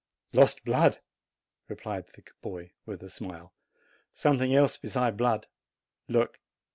"Lost blood!" replied the boy, with a smile. "Something else besides blood. Look!"